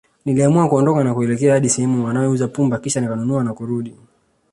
Niliamua kuondoka na kuelekea hadi sehemu wanayouza pumba Kisha nikanunua na kurudi